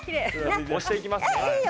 押していきますね。